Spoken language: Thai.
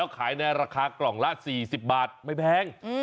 ขายในราคากล่องละ๔๐บาทไม่แพง